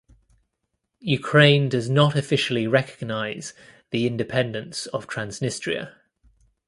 Ukraine does not officially recognize the independence of Transnistria.